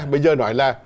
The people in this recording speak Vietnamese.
bây giờ nói là